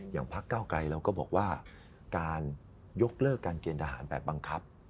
พักเก้าไกลเราก็บอกว่าการยกเลิกการเกณฑ์ทหารแบบบังคับ